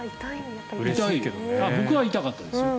僕は痛かったですよ。